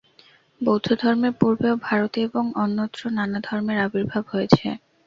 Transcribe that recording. বৌদ্ধধর্মের পূর্বেও ভারতে এবং অন্যত্র নানা ধর্মের আবির্ভাব হয়েছে।